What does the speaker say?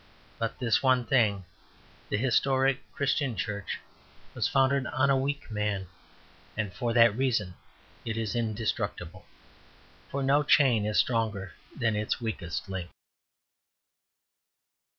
But this one thing, the historic Christian Church, was founded on a weak man, and for that reason it is indestructible. For no chain is stronger than its weakest link.